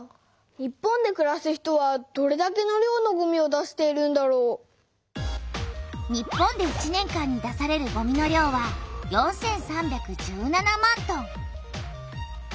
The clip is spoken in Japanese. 日本でくらす人はどれだけの量のごみを出しているんだろう？日本で１年間に出されるごみの量は４３１７万トン。